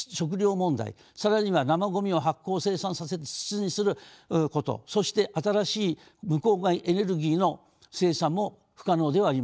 更には生ごみを発酵生産させ土にすることそして新しい無公害エネルギーの生産も不可能ではありません。